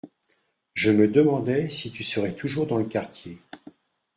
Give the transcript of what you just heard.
Je me demandais si tu serais toujours dans le quartier